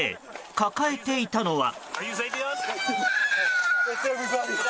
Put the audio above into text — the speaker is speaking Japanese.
抱えていたのは。